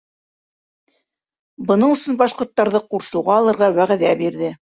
Бының өсөн башҡорттарҙы ҡурсыуға алырға вәғәҙә бирә...